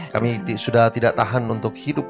kami sudah tidak tahan untuk hidup